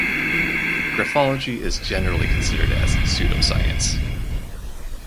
Graphology is generally considered as pseudoscience.